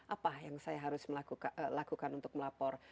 apa yang saya harus lakukan untuk melapor